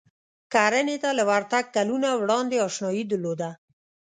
کرنې ته له ورتګ کلونه وړاندې اشنايي درلوده.